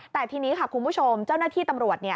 แต่ทีนี้ค่ะคุณผู้ชมเจ้าหน้าที่ตำรวจ